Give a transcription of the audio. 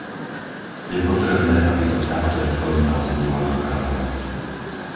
Je potrebné, aby to táto reformná zmluva dokázala!